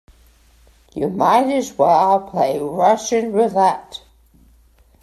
You might as well play Russian roulette.